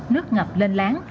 nước ngập lên láng